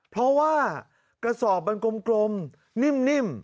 เพราะว่ากระสอบมันกลมนิ่ม